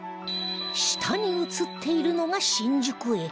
下に写っているのが新宿駅